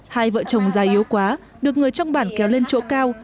hai vợ chồng già yếu quá được người trong bản kéo lên chỗ cao